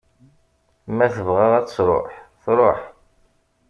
Ma tebɣa ad tṛuḥ, tṛuḥ.